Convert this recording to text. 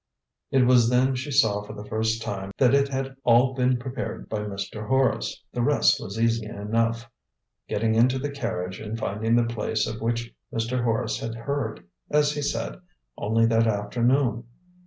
It was then she saw for the first time that it had all been prepared by Mr. Horace. The rest was easy enough: getting into the carriage, and finding the place of which Mr. Horace had heard, as he said, only that afternoon.